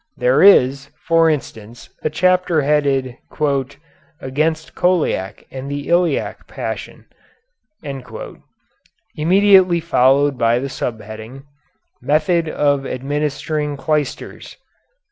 There is, for instance, a chapter headed "Against Colic and the Iliac Passion," immediately followed by the subheading, "Method of Administering Clysters."